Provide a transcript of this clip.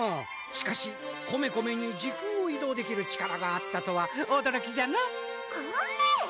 しかしコメコメに時空を移動できる力があったとはおどろきじゃのコメ！